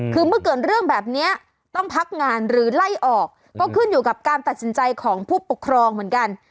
คือเมื่อเกิดเรื่องแบบนี้ต้องพักงานหรือไล่ออกก็ขึ้นอยู่กับการตัดสินใจของผู้ปกครองเหมือนกัน